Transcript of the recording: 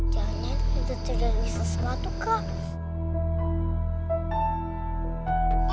jangan itu tidak bisa sebatu kak